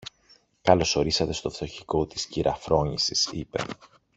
Καλώς ορίσατε στο φτωχικό της κυρα-Φρόνησης, είπε.